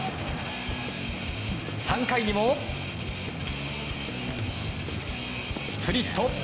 ３回にもスプリット。